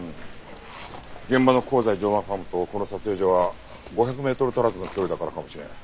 現場の香西乗馬ファームとこの撮影所は５００メートル足らずの距離だからかもしれん。